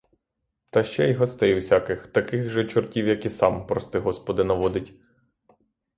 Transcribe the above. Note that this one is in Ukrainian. Та ще гостей усяких, таких же чортів, як і сам, прости господи, наводить.